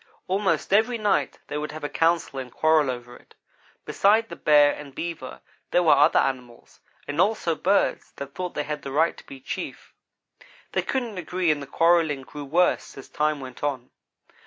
Almost every night they would have a council and quarrel over it. Beside the Bear and Beaver, there were other animals, and also birds, that thought they had the right to be chief. They couldn't agree and the quarrelling grew worse as time went on.